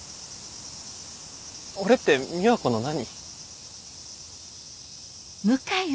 俺って美和子の何？